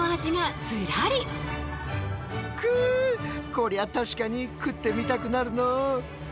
こりゃ確かに食ってみたくなるのう。